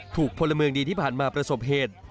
พลเมืองดีที่ผ่านมาประสบเหตุ